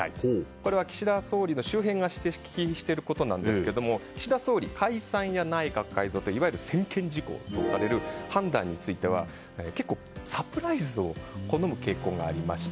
これは岸田総理の周辺が指摘していることなんですが岸田総理、解散や内閣改造といわゆる専権事項とされる判断については結構サプライズを好む傾向がありまして。